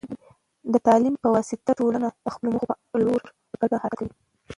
د تعلیم په واسطه، ټولنه د خپلو موخو په لور په ګډه حرکت کوي.